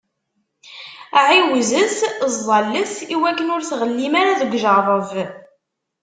Ɛiwzet, ẓẓallet, iwakken ur tɣellim ara deg ujeṛṛeb!